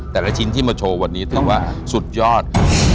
แต่ละชิ้นที่มาโชว์วันนี้ถือว่าสุดยอด